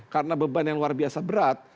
karena beban yang luar biasa berat